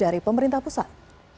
dari pemerintah pusat